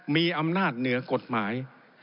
มีอำนาจเหนือกฎหมาย